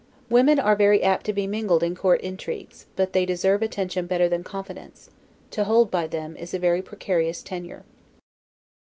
Women are very apt to be mingled in court intrigues; but they deserve attention better than confidence; to hold by them is a very precarious tenure.